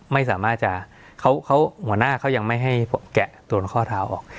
ไม่สามารถจะเขาหัวหน้าเขายังไม่ให้แกะโดนข้อเท้าออก